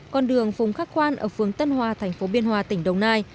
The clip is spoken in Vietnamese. con đường phùng khắc khoan ở phương tân hòa thành phố biên hòa tỉnh đồng nai